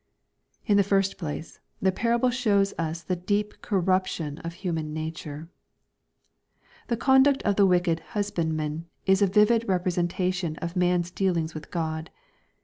In the first place, the parable shows us the deep cor rupfion of human nature. The conduct of the wicked '* husbandmen" is a vivid representation of man's deal ings with God.